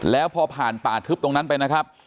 แล้วพอผ่านป่าทึบตรงนั้นไปนะครับ